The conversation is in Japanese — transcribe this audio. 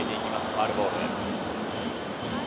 ファウルボール。